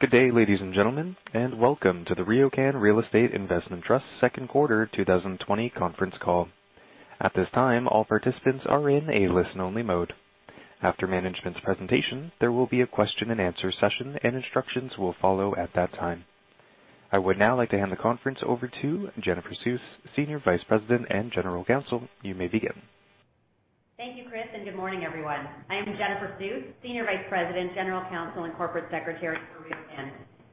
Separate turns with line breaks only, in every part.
Good day, ladies and gentlemen, welcome to the RioCan Real Estate Investment Trust second quarter 2020 conference call. At this time, all participants are in a listen-only mode. After management's presentation, there will be a question and answer session, instructions will follow at that time. I would now like to hand the conference over to Jennifer Suess, Senior Vice President and General Counsel. You may begin.
Thank you, Chris. Good morning, everyone. I am Jennifer Suess, Senior Vice President, General Counsel, and Corporate Secretary for RioCan.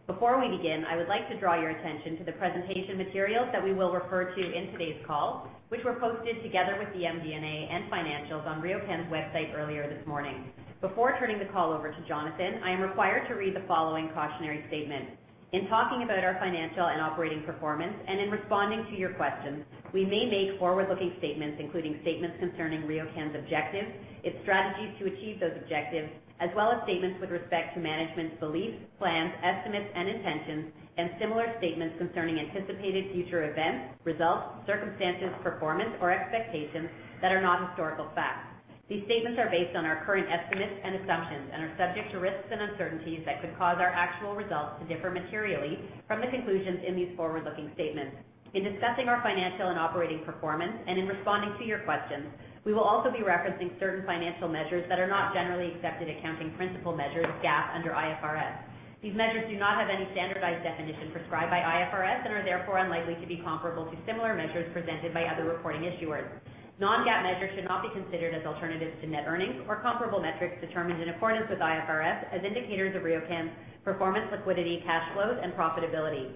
Before we begin, I would like to draw your attention to the presentation materials that we will refer to in today's call, which were posted together with the MD&A and financials on RioCan's website earlier this morning. Before turning the call over to Jonathan, I am required to read the following cautionary statement. In talking about our financial and operating performance, and in responding to your questions, we may make forward-looking statements, including statements concerning RioCan's objectives, its strategies to achieve those objectives, as well as statements with respect to management's beliefs, plans, estimates, and intentions, and similar statements concerning anticipated future events, results, circumstances, performance, or expectations that are not historical facts. These statements are based on our current estimates and assumptions and are subject to risks and uncertainties that could cause our actual results to differ materially from the conclusions in these forward-looking statements. In discussing our financial and operating performance, and in responding to your questions, we will also be referencing certain financial measures that are not generally accepted accounting principle measures, GAAP under IFRS. These measures do not have any standardized definition prescribed by IFRS and are therefore unlikely to be comparable to similar measures presented by other reporting issuers. Non-GAAP measures should not be considered as alternatives to net earnings or comparable metrics determined in accordance with IFRS as indicators of RioCan's performance, liquidity, cash flows, and profitability.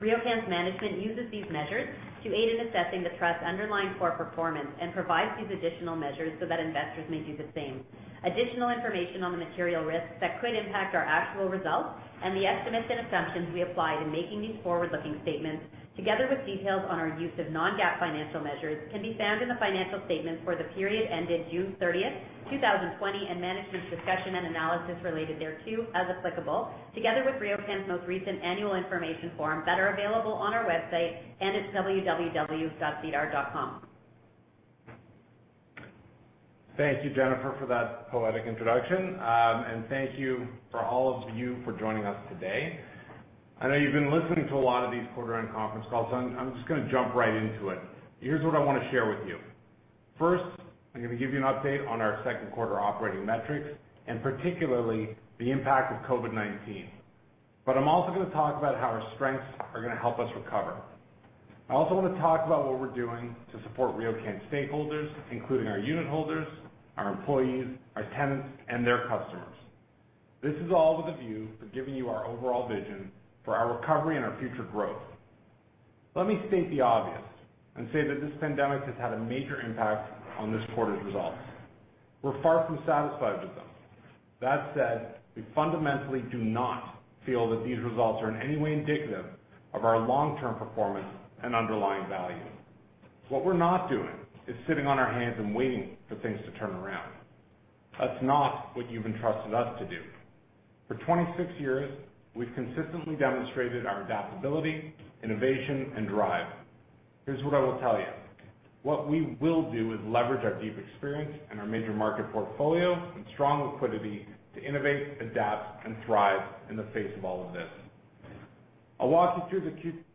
RioCan's management uses these measures to aid in assessing the trust's underlying core performance and provides these additional measures so that investors may do the same. Additional information on the material risks that could impact our actual results and the estimates and assumptions we applied in making these forward-looking statements, together with details on our use of non-GAAP financial measures, can be found in the financial statements for the period ended June 30th, 2020, and management's discussion and analysis related thereto, as applicable, together with RioCan's most recent annual information form that are available on our website and at www.sedar.com.
Thank you, Jennifer, for that poetic introduction. Thank you for all of you for joining us today. I know you've been listening to a lot of these quarter end conference calls. I'm just going to jump right into it. Here's what I want to share with you. First, I'm going to give you an update on our second quarter operating metrics, and particularly the impact of COVID-19. I'm also going to talk about how our strengths are going to help us recover. I also want to talk about what we're doing to support RioCan stakeholders, including our unitholders, our employees, our tenants, and their customers. This is all with a view for giving you our overall vision for our recovery and our future growth. Let me state the obvious and say that this pandemic has had a major impact on this quarter's results. We're far from satisfied with them. That said, we fundamentally do not feel that these results are in any way indicative of our long-term performance and underlying value. What we're not doing is sitting on our hands and waiting for things to turn around. That's not what you've entrusted us to do. For 26 years, we've consistently demonstrated our adaptability, innovation, and drive. Here's what I will tell you. What we will do is leverage our deep experience and our major market portfolio and strong liquidity to innovate, adapt, and thrive in the face of all of this. I'll walk you through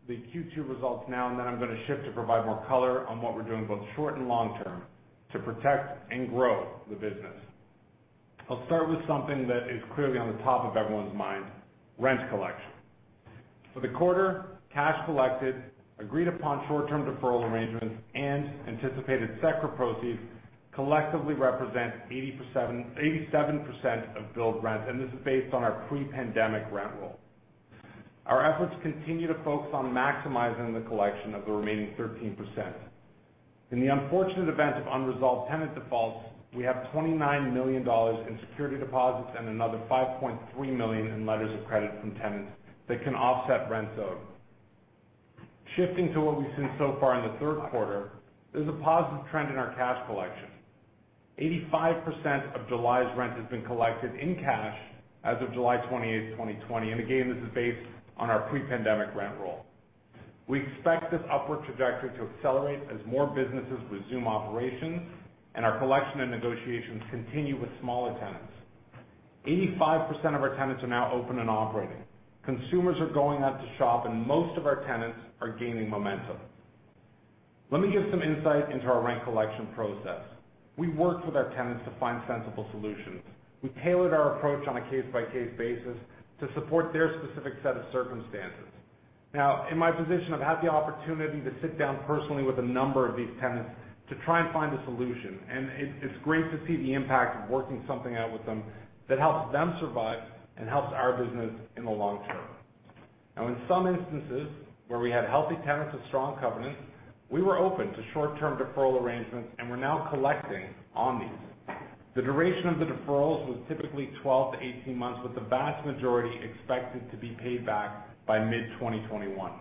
the Q2 results now, and then I'm going to shift to provide more color on what we're doing, both short and long-term, to protect and grow the business. I'll start with something that is clearly on the top of everyone's mind, rent collection. For the quarter, cash collected, agreed upon short-term deferral arrangements, and anticipated CECRA proceeds collectively represent 87% of billed rent. This is based on our pre-pandemic rent roll. Our efforts continue to focus on maximizing the collection of the remaining 13%. In the unfortunate event of unresolved tenant defaults, we have 29 million dollars in security deposits and another 5.3 million in letters of credit from tenants that can offset rents owed. Shifting to what we've seen so far in the third quarter, there's a positive trend in our cash collection. 85% of July's rent has been collected in cash as of July 28th, 2020. Again, this is based on our pre-pandemic rent roll. We expect this upward trajectory to accelerate as more businesses resume operations and our collection and negotiations continue with smaller tenants. 85% of our tenants are now open and operating. Consumers are going out to shop, and most of our tenants are gaining momentum. Let me give some insight into our rent collection process. We worked with our tenants to find sensible solutions. We tailored our approach on a case-by-case basis to support their specific set of circumstances. In my position, I've had the opportunity to sit down personally with a number of these tenants to try and find a solution. It's great to see the impact of working something out with them that helps them survive and helps our business in the long term. In some instances, where we had healthy tenants with strong covenants, we were open to short-term deferral arrangements, and we're now collecting on these. The duration of the deferrals was typically 12 to 18 months, with the vast majority expected to be paid back by mid-2021.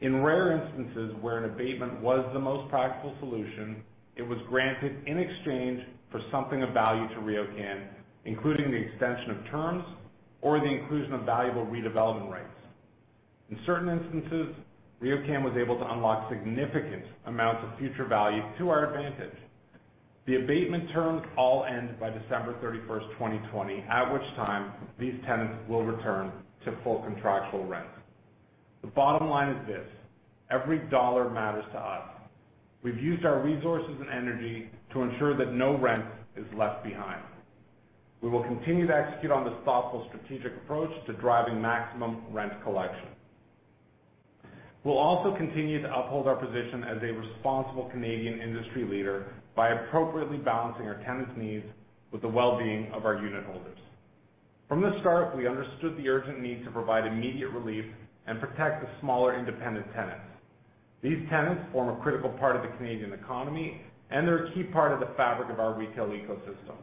In rare instances where an abatement was the most practical solution, it was granted in exchange for something of value to RioCan, including the extension of terms or the inclusion of valuable redevelopment rights. In certain instances, RioCan was able to unlock significant amounts of future value to our advantage. The abatement terms all end by December 31st, 2020, at which time these tenants will return to full contractual rent. The bottom line is this, every dollar matters to us. We've used our resources and energy to ensure that no rent is left behind. We will continue to execute on this thoughtful, strategic approach to driving maximum rent collection. We'll also continue to uphold our position as a responsible Canadian industry leader by appropriately balancing our tenants' needs with the well-being of our unit holders. From the start, we understood the urgent need to provide immediate relief and protect the smaller, independent tenants. These tenants form a critical part of the Canadian economy, and they're a key part of the fabric of our retail ecosystem.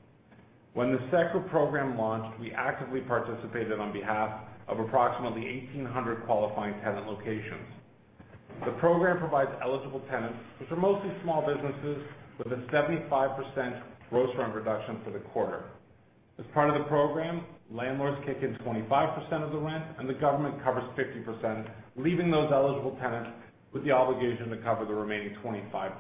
When the CECRA program launched, we actively participated on behalf of approximately 1,800 qualifying tenant locations. The program provides eligible tenants, which are mostly small businesses, with a 75% gross rent reduction for the quarter. As part of the program, landlords kick in 25% of the rent and the government covers 50%, leaving those eligible tenants with the obligation to cover the remaining 25%.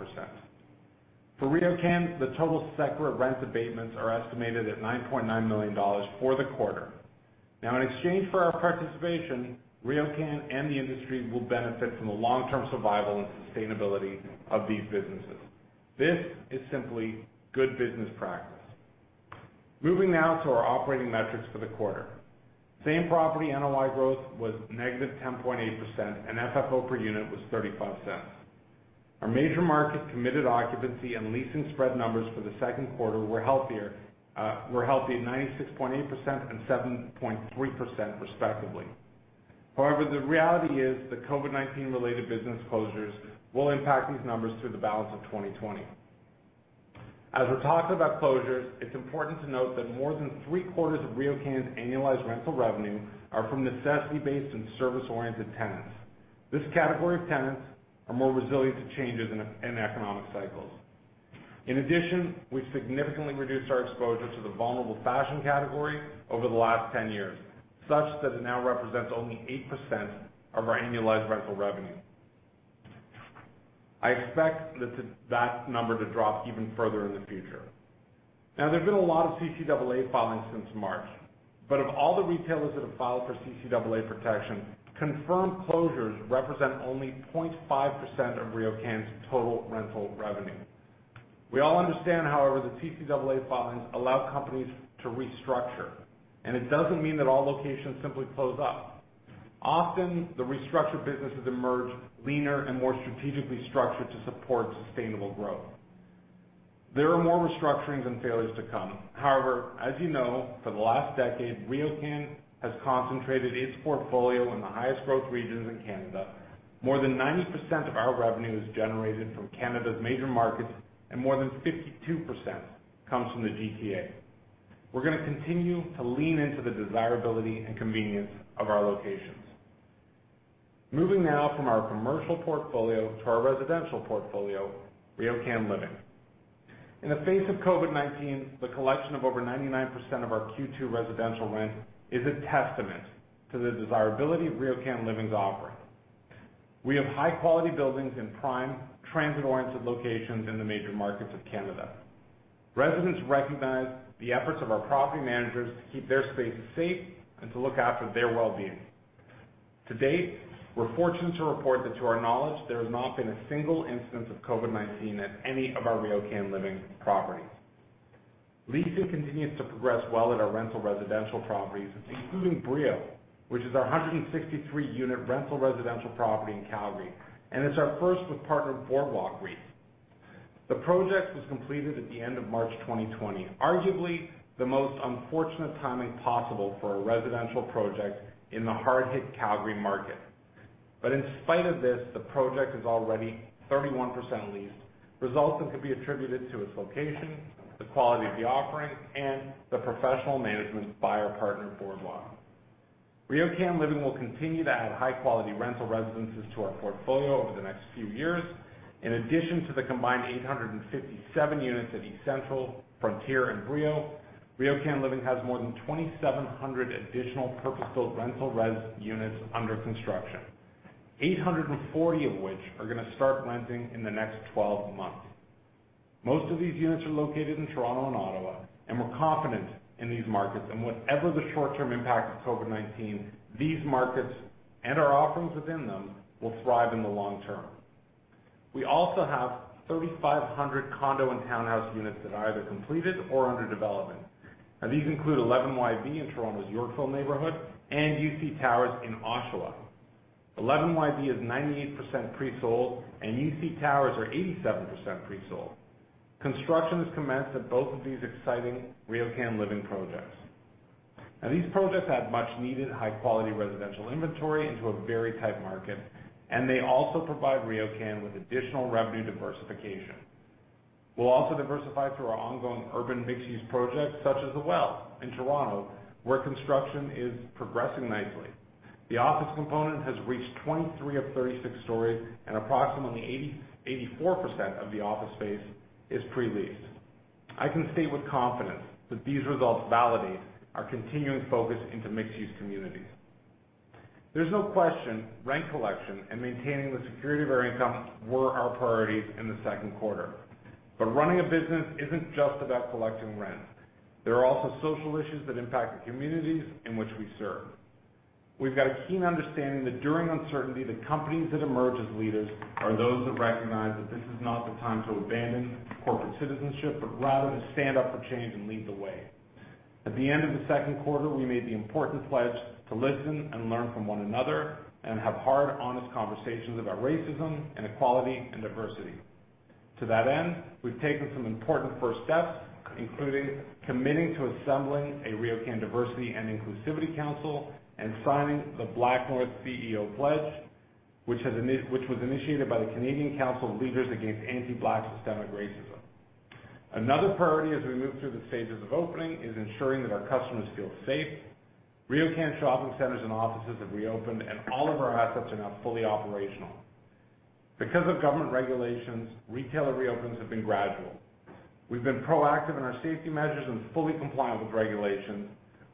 For RioCan, the total CECRA rent abatements are estimated at 9.9 million dollars for the quarter. In exchange for our participation, RioCan and the industry will benefit from the long-term survival and sustainability of these businesses. This is simply good business practice. Moving now to our operating metrics for the quarter. Same property NOI growth was negative 10.8%, and FFO per unit was 0.35. Our major market committed occupancy and leasing spread numbers for the second quarter were healthy at 96.8% and 7.3% respectively. The reality is that COVID-19 related business closures will impact these numbers through the balance of 2020. We're talking about closures, it's important to note that more than three-quarters of RioCan's annualized rental revenue are from necessity-based and service-oriented tenants. This category of tenants are more resilient to changes in economic cycles. We've significantly reduced our exposure to the vulnerable fashion category over the last 10 years, such that it now represents only 8% of our annualized rental revenue. I expect that number to drop even further in the future. There's been a lot of CCAA filings since March. Of all the retailers that have filed for CCAA protection, confirmed closures represent only 0.5% of RioCan's total rental revenue. We all understand, however, the CCAA filings allow companies to restructure, and it doesn't mean that all locations simply close up. Often, the restructured businesses emerge leaner and more strategically structured to support sustainable growth. There are more restructurings and failures to come. As you know, for the last decade, RioCan has concentrated its portfolio in the highest growth regions in Canada. More than 90% of our revenue is generated from Canada's major markets, and more than 52% comes from the GTA. We're going to continue to lean into the desirability and convenience of our locations. Moving now from our commercial portfolio to our residential portfolio, RioCan Living. In the face of COVID-19, the collection of over 99% of our Q2 residential rent is a testament to the desirability of RioCan Living's offering. We have high-quality buildings in prime transit-oriented locations in the major markets of Canada. Residents recognize the efforts of our property managers to keep their spaces safe and to look after their well-being. To date, we're fortunate to report that to our knowledge, there has not been a single instance of COVID-19 at any of our RioCan Living properties. Leasing continues to progress well at our rental residential properties, including Brio, which is our 163-unit rental residential property in Calgary, and it's our first with partner Boardwalk REIT. The project was completed at the end of March 2020, arguably the most unfortunate timing possible for a residential project in the hard-hit Calgary market. In spite of this, the project is already 31% leased, results that could be attributed to its location, the quality of the offering, and the professional management by our partner, Boardwalk. RioCan Living will continue to add high-quality rental residences to our portfolio over the next few years. In addition to the combined 857 units at eCentral, Frontier, and Brio, RioCan Living has more than 2,700 additional purpose-built rental res units under construction, 840 of which are going to start lending in the next 12 months. Most of these units are located in Toronto and Ottawa, and we're confident in these markets. Whatever the short-term impact of COVID-19, these markets and our offerings within them will thrive in the long term. We also have 3,500 condo and townhouse units that are either completed or under development. These include 11YV in Toronto's Yorkville neighborhood and UC Towers in Oshawa. 11YV is 98% pre-sold, and UC Towers are 87% pre-sold. Construction has commenced at both of these exciting RioCan Living projects. These projects add much-needed high-quality residential inventory into a very tight market, and they also provide RioCan with additional revenue diversification. We'll also diversify through our ongoing urban mixed-use projects, such as The Well in Toronto, where construction is progressing nicely. The office component has reached 23 of 36 stories, and approximately 84% of the office space is pre-leased. I can state with confidence that these results validate our continuing focus into mixed-use communities. There's no question rent collection and maintaining the security of our income were our priorities in the second quarter. Running a business isn't just about collecting rent. There are also social issues that impact the communities in which we serve. We've got a keen understanding that during uncertainty, the companies that emerge as leaders are those that recognize that this is not the time to abandon corporate citizenship, but rather to stand up for change and lead the way. At the end of the second quarter, we made the important pledge to listen and learn from one another and have hard, honest conversations about racism, inequality, and diversity. To that end, we've taken some important first steps, including committing to assembling a RioCan diversity and inclusivity council and signing the BlackNorth Initiative CEO Pledge, which was initiated by the Canadian Council of Business Leaders Against Anti-Black Systemic Racism. Another priority as we move through the stages of opening is ensuring that our customers feel safe. RioCan shopping centers and offices have reopened, and all of our assets are now fully operational. Because of government regulations, retailer reopens have been gradual. We've been proactive in our safety measures and fully compliant with regulations.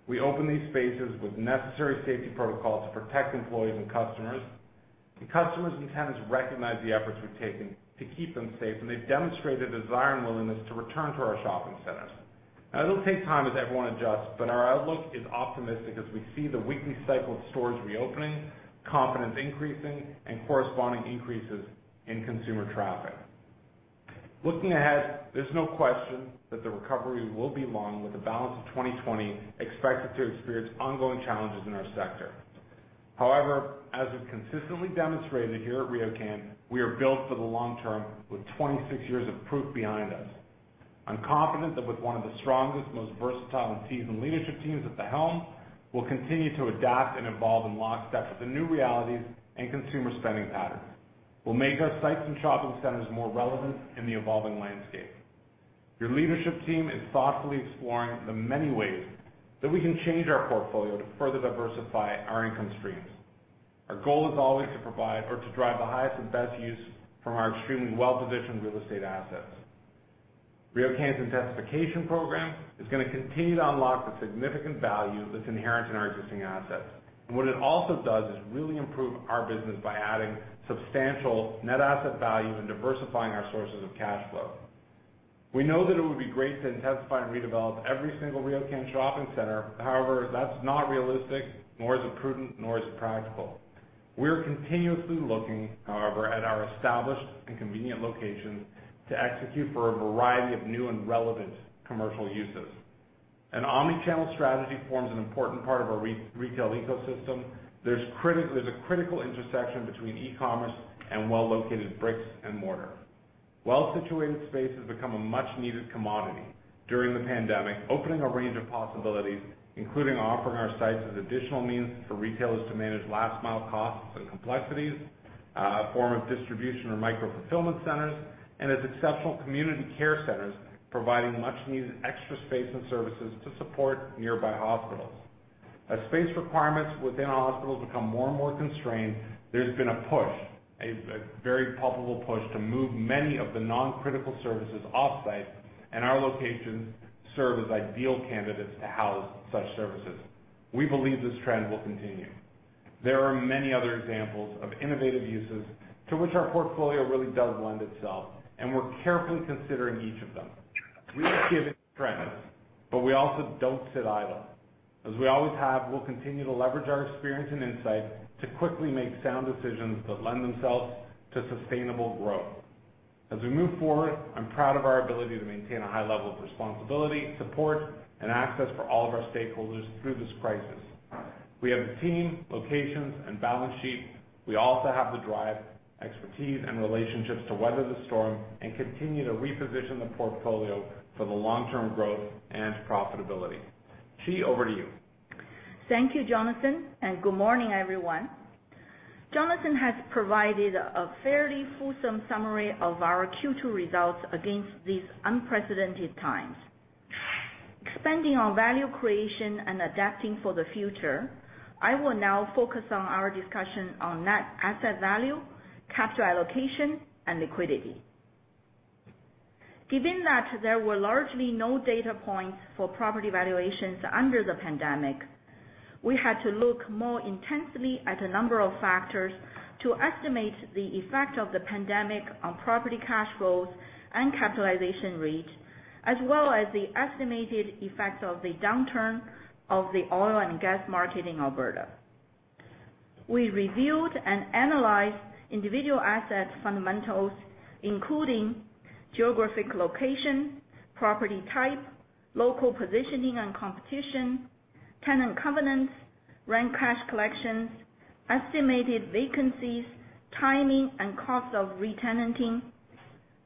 We open these spaces with necessary safety protocols to protect employees and customers. The customers and tenants recognize the efforts we've taken to keep them safe, and they've demonstrated a desire and willingness to return to our shopping centers. It'll take time as everyone adjusts, but our outlook is optimistic as we see the weekly cycle of stores reopening, confidence increasing, and corresponding increases in consumer traffic. Looking ahead, there's no question that the recovery will be long, with the balance of 2020 expected to experience ongoing challenges in our sector. As we've consistently demonstrated here at RioCan, we are built for the long term with 26 years of proof behind us. I'm confident that with one of the strongest, most versatile, and seasoned leadership teams at the helm, we'll continue to adapt and evolve in lockstep with the new realities and consumer spending patterns. We'll make our sites and shopping centers more relevant in the evolving landscape. Your leadership team is thoughtfully exploring the many ways that we can change our portfolio to further diversify our income streams. Our goal is always to provide or to drive the highest and best use from our extremely well-positioned real estate assets. RioCan's intensification program is going to continue to unlock the significant value that's inherent in our existing assets. What it also does is really improve our business by adding substantial net asset value and diversifying our sources of cash flow. We know that it would be great to intensify and redevelop every single RioCan shopping center. That's not realistic, nor is it prudent, nor is it practical. We are continuously looking, however, at our established and convenient locations to execute for a variety of new and relevant commercial uses. An omni-channel strategy forms an important part of our retail ecosystem. There's a critical intersection between e-commerce and well-located bricks and mortar. Well-situated space has become a much-needed commodity during the pandemic, opening a range of possibilities, including offering our sites as additional means for retailers to manage last mile costs and complexities, a form of distribution or micro-fulfillment centers, and as exceptional community care centers, providing much needed extra space and services to support nearby hospitals. As space requirements within hospitals become more and more constrained, there's been a push, a very palpable push, to move many of the non-critical services off-site, and our locations serve as ideal candidates to house such services. We believe this trend will continue. There are many other examples of innovative uses to which our portfolio really does lend itself, and we're carefully considering each of them. We are given trends, but we also don't sit idle. As we always have, we'll continue to leverage our experience and insight to quickly make sound decisions that lend themselves to sustainable growth. As we move forward, I'm proud of our ability to maintain a high level of responsibility, support, and access for all of our stakeholders through this crisis. We have the team, locations, and balance sheet. We also have the drive, expertise, and relationships to weather the storm and continue to reposition the portfolio for the long-term growth and profitability. Qi, over to you.
Thank you, Jonathan, and good morning, everyone. Jonathan has provided a fairly fulsome summary of our Q2 results against these unprecedented times. Expanding on value creation and adapting for the future, I will now focus on our discussion on net asset value, capital allocation, and liquidity. Given that there were largely no data points for property valuations under the pandemic, we had to look more intensely at a number of factors to estimate the effect of the pandemic on property cash flows and capitalization rates, as well as the estimated effects of the downturn of the oil and gas market in Alberta. We reviewed and analyzed individual asset fundamentals, including geographic location, property type, local positioning and competition, tenant covenants, rent cash collections, estimated vacancies, timing and cost of re-tenanting,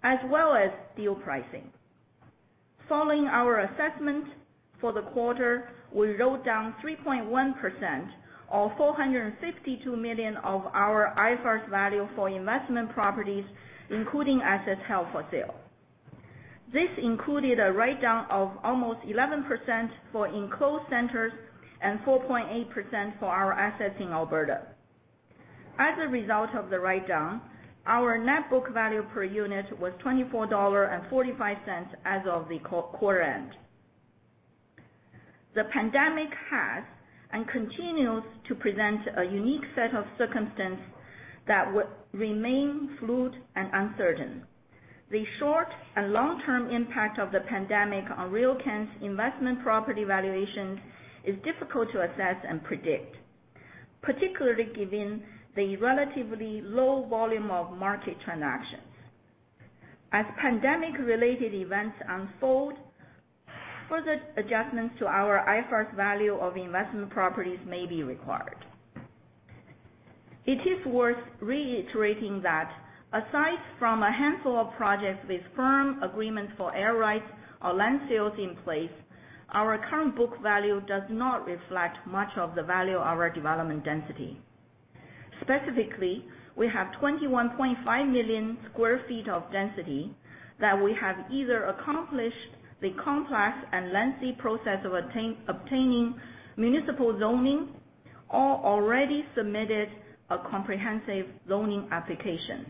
as well as deal pricing. Following our assessment for the quarter, we wrote down 3.1%, or CAD 452 million of our IFRS value for investment properties, including assets held for sale. This included a write-down of almost 11% for enclosed centers and 4.8% for our assets in Alberta. As a result of the write-down, our net book value per unit was 24.45 dollars as of the quarter end. The pandemic has, and continues to present a unique set of circumstances that would remain fluid and uncertain. The short and long-term impact of the pandemic on RioCan's investment property valuation is difficult to assess and predict, particularly given the relatively low volume of market transactions. As pandemic-related events unfold, further adjustments to our IFRS value of investment properties may be required. It is worth reiterating that aside from a handful of projects with firm agreements for air rights or land sales in place, our current book value does not reflect much of the value of our development density. Specifically, we have 21.5 million square feet of density that we have either accomplished the complex and lengthy process of obtaining municipal zoning, or already submitted a comprehensive zoning application.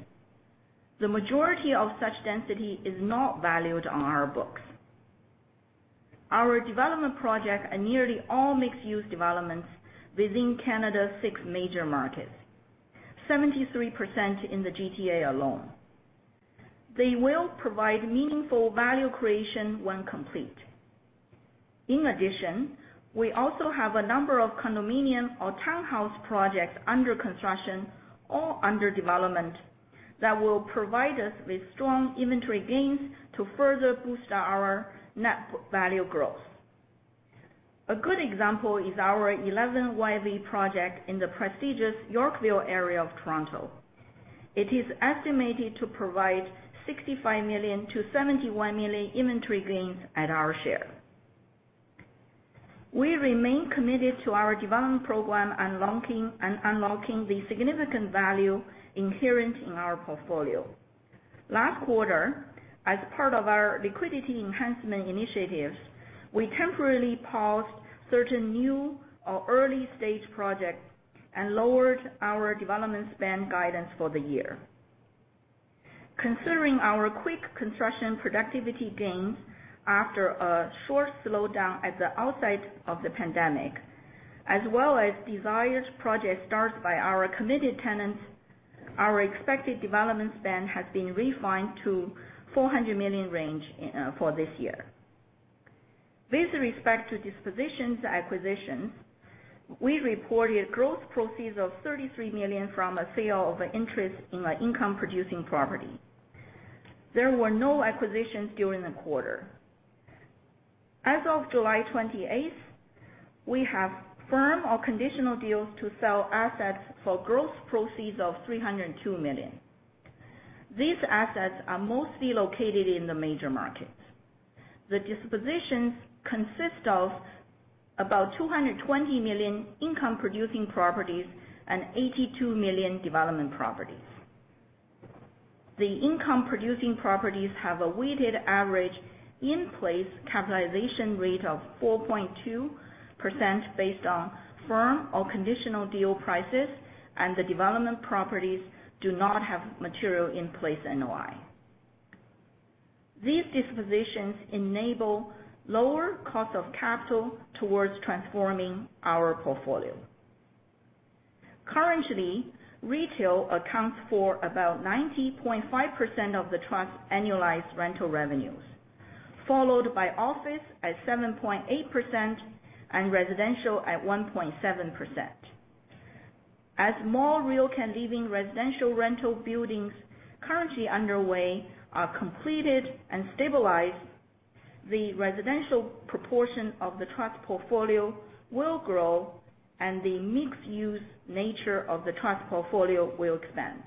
The majority of such density is not valued on our books. Our development projects are nearly all mixed-use developments within Canada's six major markets, 73% in the GTA alone. They will provide meaningful value creation when complete. In addition, we also have a number of condominium or townhouse projects under construction or under development that will provide us with strong inventory gains to further boost our net value growth. A good example is our 11 Yorkville project in the prestigious Yorkville area of Toronto. It is estimated to provide 65 million-71 million inventory gains at our share. We remain committed to our development program and unlocking the significant value inherent in our portfolio. Last quarter, as part of our liquidity enhancement initiatives, we temporarily paused certain new or early-stage projects and lowered our development spend guidance for the year. Considering our quick construction productivity gains after a short slowdown at the outset of the pandemic, as well as desired project starts by our committed tenants, our expected development spend has been refined to 400 million range for this year. With respect to dispositions acquisitions, we reported gross proceeds of 33 million from a sale of an interest in an income-producing property. There were no acquisitions during the quarter. As of July 28th, we have firm or conditional deals to sell assets for gross proceeds of 302 million. These assets are mostly located in the major markets. The dispositions consist of about 220 million income-producing properties and 82 million development properties. The income-producing properties have a weighted average in-place capitalization rate of 4.2% based on firm or conditional deal prices, and the development properties do not have material in place NOI. These dispositions enable lower cost of capital towards transforming our portfolio. Currently, retail accounts for about 90.5% of the trust's annualized rental revenues, followed by office at 7.8% and residential at 1.7%. As more RioCan Living residential rental buildings currently underway are completed and stabilized, the residential proportion of the trust portfolio will grow, and the mixed-use nature of the trust portfolio will expand.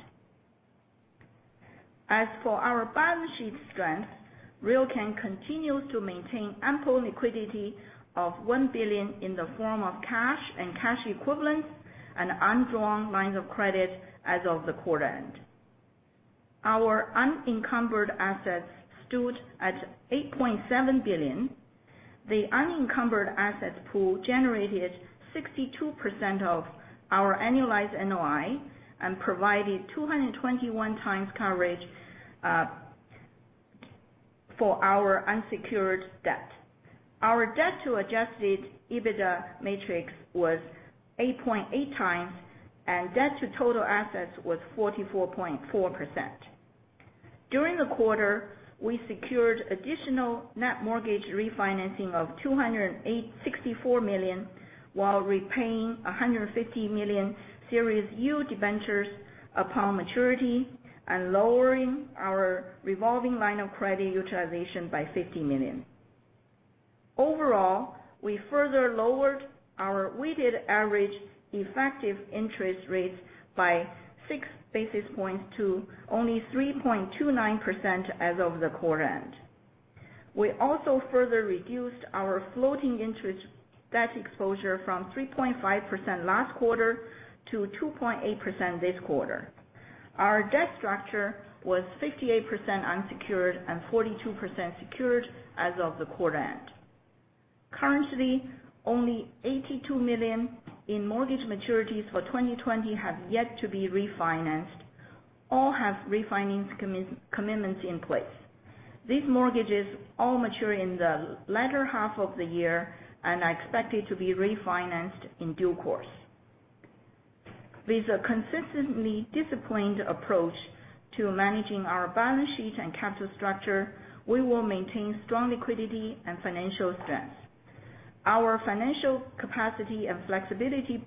As for our balance sheet strength, RioCan continues to maintain ample liquidity of 1 billion in the form of cash and cash equivalents and undrawn lines of credit as of the quarter end. Our unencumbered assets stood at 8.7 billion. The unencumbered asset pool generated 62% of our annualized NOI and provided 2.21x coverage for our unsecured debt. Our debt to adjusted EBITDA metric was 8.8x, and debt to total assets was 44.4%. During the quarter, we secured additional net mortgage refinancing of 264 million while repaying 150 million Series U debentures upon maturity and lowering our revolving line of credit utilization by 50 million. We further lowered our weighted average effective interest rates by six basis points to only 3.29% as of the quarter end. We also further reduced our floating interest debt exposure from 3.5% last quarter to 2.8% this quarter. Our debt structure was 58% unsecured and 42% secured as of the quarter end. Currently, only 82 million in mortgage maturities for 2020 have yet to be refinanced or have refinance commitments in place. These mortgages all mature in the latter half of the year and are expected to be refinanced in due course. With a consistently disciplined approach to managing our balance sheet and capital structure, we will maintain strong liquidity and financial strength. Our financial capacity and flexibility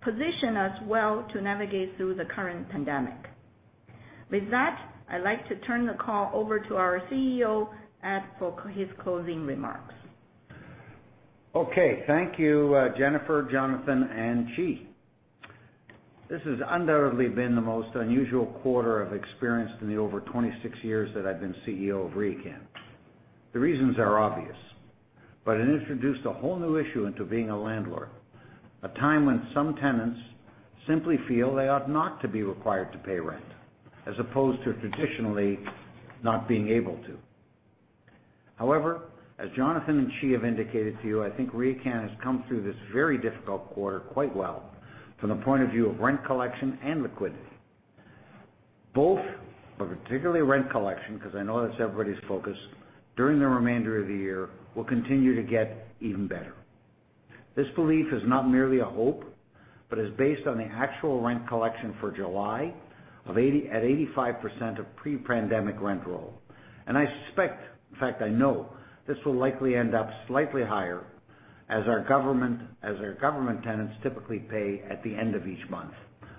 position us well to navigate through the current pandemic. With that, I'd like to turn the call over to our CEO, Ed, for his closing remarks.
Okay. Thank you, Jennifer, Jonathan, and Qi. This has undoubtedly been the most unusual quarter I've experienced in the over 26 years that I've been CEO of RioCan. The reasons are obvious, but it introduced a whole new issue into being a landlord. A time when some tenants simply feel they ought not to be required to pay rent, as opposed to traditionally not being able to. As Jonathan and Qi have indicated to you, I think RioCan has come through this very difficult quarter quite well from the point of view of rent collection and liquidity. Both, but particularly rent collection, because I know that's everybody's focus, during the remainder of the year, will continue to get even better. This belief is not merely a hope, but is based on the actual rent collection for July at 85% of pre-pandemic rent roll. I suspect, in fact I know, this will likely end up slightly higher as our government tenants typically pay at the end of each month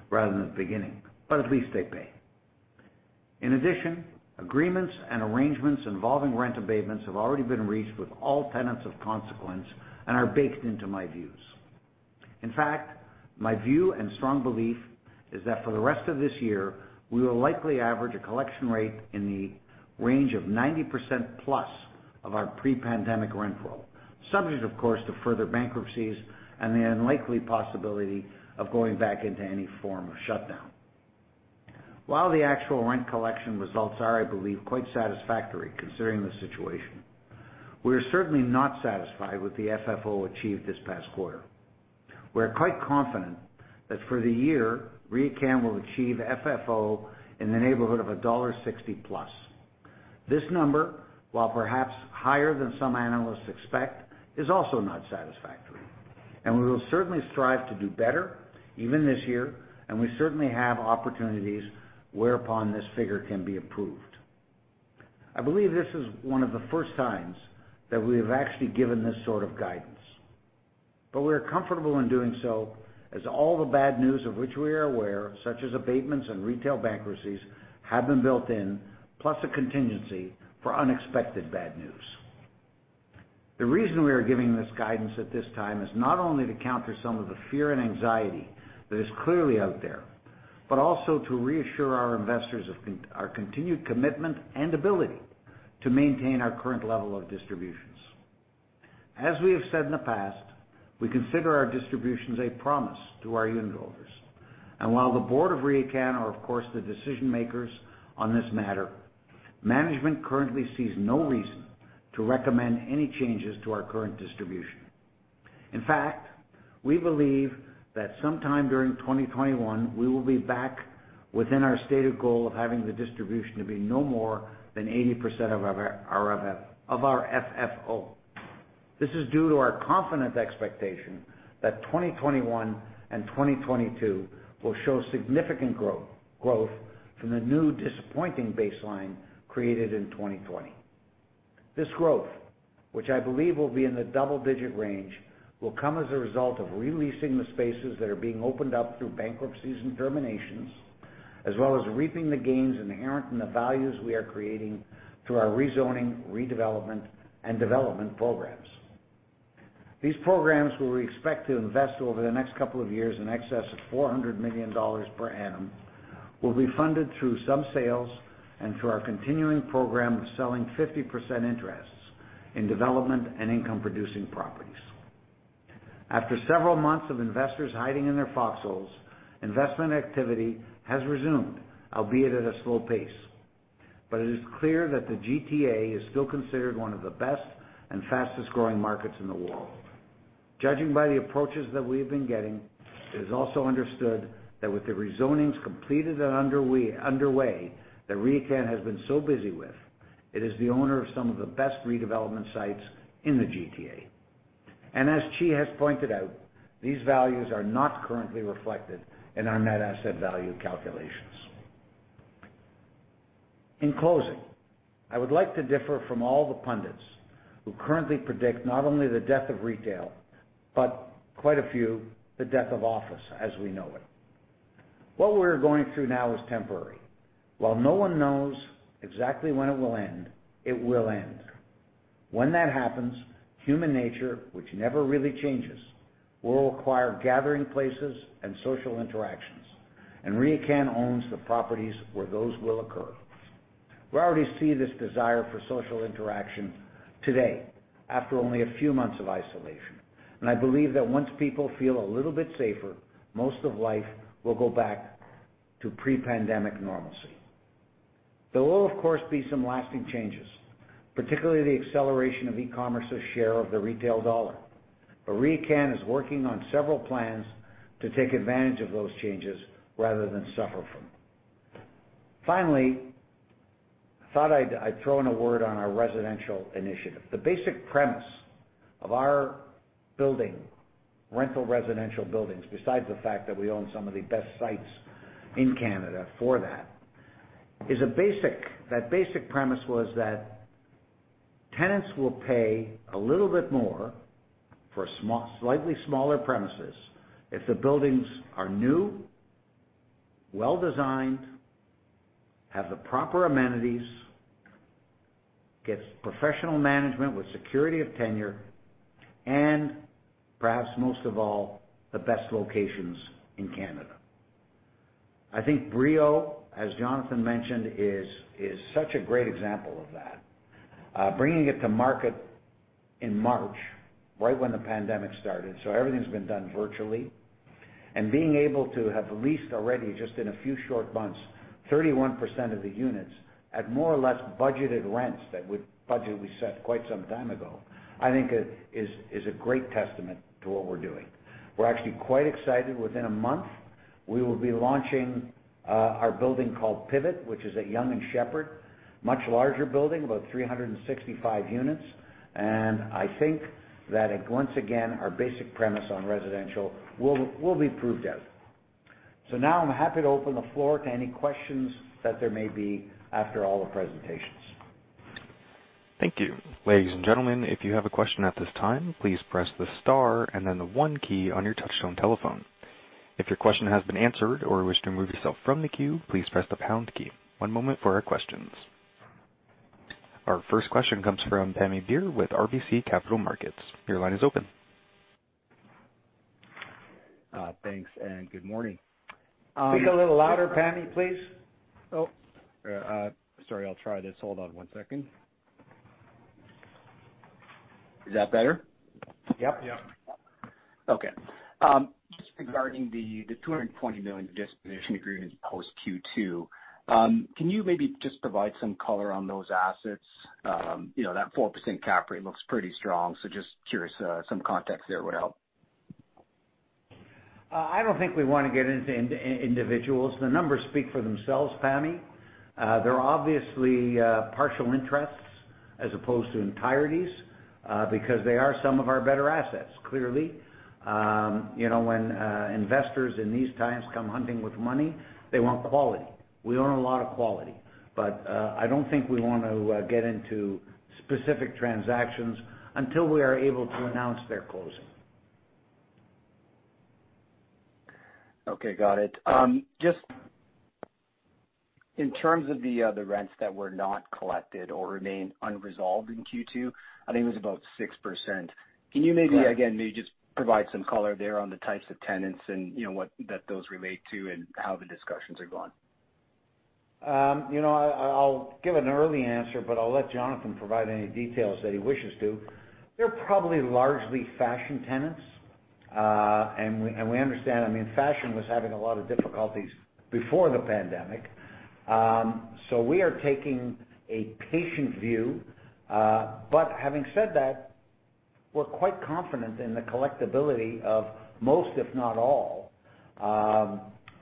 rather than the beginning, but at least they pay. In addition, agreements and arrangements involving rent abatements have already been reached with all tenants of consequence and are baked into my views. In fact, my view and strong belief is that for the rest of this year, we will likely average a collection rate in the range of 90%+ of our pre-pandemic rent roll, subject, of course, to further bankruptcies and the unlikely possibility of going back into any form of shutdown. While the actual rent collection results are, I believe, quite satisfactory considering the situation, we are certainly not satisfied with the FFO achieved this past quarter. We are quite confident that for the year, RioCan will achieve FFO in the neighborhood of dollar 1.60+. This number, while perhaps higher than some analysts expect, is also not satisfactory, and we will certainly strive to do better even this year, and we certainly have opportunities whereupon this figure can be improved. I believe this is one of the first times that we have actually given this sort of guidance. We are comfortable in doing so, as all the bad news of which we are aware, such as abatements and retail bankruptcies, have been built in, plus a contingency for unexpected bad news. The reason we are giving this guidance at this time is not only to counter some of the fear and anxiety that is clearly out there, but also to reassure our investors of our continued commitment and ability to maintain our current level of distributions. As we have said in the past, we consider our distributions a promise to our unit holders. While the board of RioCan are, of course, the decision makers on this matter, management currently sees no reason to recommend any changes to our current distribution. In fact, we believe that sometime during 2021, we will be back within our stated goal of having the distribution to be no more than 80% of our FFO. This is due to our confident expectation that 2021 and 2022 will show significant growth from the new disappointing baseline created in 2020. This growth, which I believe will be in the double-digit range, will come as a result of re-leasing the spaces that are being opened up through bankruptcies and terminations, as well as reaping the gains inherent in the values we are creating through our rezoning, redevelopment, and development programs. These programs, where we expect to invest over the next couple of years in excess of 400 million dollars per annum, will be funded through some sales and through our continuing program of selling 50% interests in development and income-producing properties. After several months of investors hiding in their foxholes, investment activity has resumed, albeit at a slow pace. It is clear that the GTA is still considered one of the best and fastest-growing markets in the world. Judging by the approaches that we have been getting, it is also understood that with the rezonings completed and underway that RioCan has been so busy with, it is the owner of some of the best redevelopment sites in the GTA. As Qi has pointed out, these values are not currently reflected in our net asset value calculations. In closing, I would like to differ from all the pundits who currently predict not only the death of retail, but quite a few, the death of office as we know it. What we're going through now is temporary. While no one knows exactly when it will end, it will end. When that happens, human nature, which never really changes, will require gathering places and social interactions, and RioCan owns the properties where those will occur. We already see this desire for social interaction today after only a few months of isolation, and I believe that once people feel a little bit safer, most of life will go back to pre-pandemic normalcy. There will, of course, be some lasting changes, particularly the acceleration of e-commerce's share of the retail dollar. RioCan is working on several plans to take advantage of those changes rather than suffer from them. Finally, I thought I'd throw in a word on our residential initiative. The basic premise of our building, rental residential buildings, besides the fact that we own some of the best sites in Canada for that basic premise was that tenants will pay a little bit more for slightly smaller premises if the buildings are new, well-designed, have the proper amenities, gets professional management with security of tenure, and perhaps most of all, the best locations in Canada. I think Brio, as Jonathan mentioned, is such a great example of that. Bringing it to market in March, right when the pandemic started, so everything's been done virtually. Being able to have leased already, just in a few short months, 31% of the units at more or less budgeted rents, that budget we set quite some time ago, I think is a great testament to what we're doing. We're actually quite excited. Within a month, we will be launching our building called Pivot, which is at Yonge and Sheppard. Much larger building, about 365 units. I think that once again, our basic premise on residential will be proved out. Now I'm happy to open the floor to any questions that there may be after all the presentations.
Thank you. Ladies and gentlemen, if you have a question at this time, please press the star and then the one key on your touchtone telephone. If your question has been answered or you wish to remove yourself from the queue, please press the pound key. One moment for our questions. Our first question comes from Pammi Bir with RBC Capital Markets. Your line is open.
Thanks, and good morning.
Speak a little louder, Pammi, please.
Oh. Sorry, I'll try this. Hold on one second. Is that better?
Yep.
Yep.
Okay. Just regarding the 220 million disposition agreement post Q2, can you maybe just provide some color on those assets? That 4% cap rate looks pretty strong. Just curious. Some context there would help.
I don't think we want to get into individuals. The numbers speak for themselves, Pammi. They're obviously partial interests as opposed to entireties, because they are some of our better assets, clearly. When investors in these times come hunting with money, they want quality. I don't think we want to get into specific transactions until we are able to announce their closing.
Okay, got it. In terms of the rents that were not collected or remain unresolved in Q2, I think it was about 6%.
Right
Again, maybe just provide some color there on the types of tenants and that those relate to and how the discussions are going?
I'll give an early answer. I'll let Jonathan provide any details that he wishes to. They're probably largely fashion tenants. We understand, fashion was having a lot of difficulties before the pandemic. We are taking a patient view. Having said that, we're quite confident in the collectibility of most, if not all,